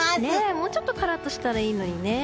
もうちょっとカラッとしたらいいのにね。